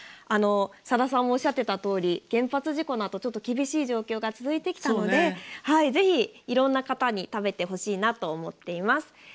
さださんもおっしゃっていたとおり原発事故など厳しい状況が続いてきたのでぜひ、いろんな方に食べてほしいなと思っています。